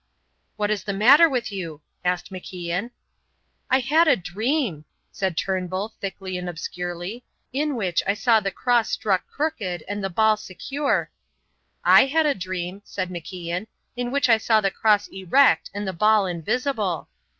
"What is the matter with you?" asked MacIan. "I had a dream," said Turnbull, thickly and obscurely, "in which I saw the cross struck crooked and the ball secure " "I had a dream," said MacIan, "in which I saw the cross erect and the ball invisible.